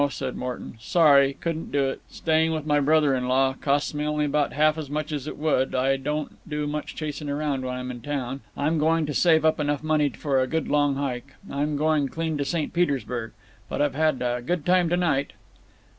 said Morton. "Sorry. Couldn't do it. Staying with my brother in law—costs me only 'bout half as much as it would I don't do much chasing around when I'm in town…. I'm going to save up enough money for a good long hike. I'm going clean to St. Petersburg!… But I've had a good time to night."